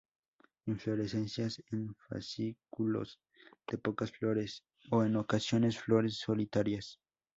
Inflorescencias en fascículos de pocas flores o en ocasiones, flores solitarias.